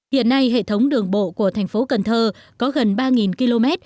hiện nay hệ thống đường bộ của thành phố cần thơ có gần ba km